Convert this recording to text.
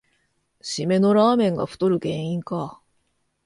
しめのラーメンが太る原因か